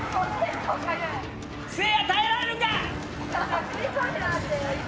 せいや耐えられるか！？